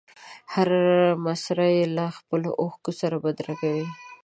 هره مسره یې له خپلو اوښکو سره بدرګه وي.